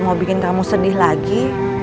mau bikin kamu sedih lagi